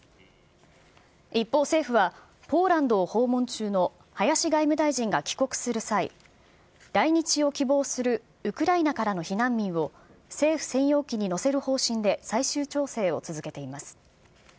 一方、政府はポーランドを訪問中の林外務大臣が帰国する際、来日を希望するウクライナからの避難民を政府専用機に乗せる方針で最終調整を続けています。